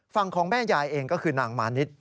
ฝั่งของแม่ยายเองก็คือนางมานิด